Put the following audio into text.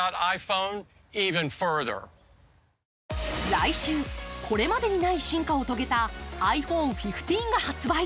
来週、これまでにない進化を遂げたｉＰｈｏｎｅ１５が発売。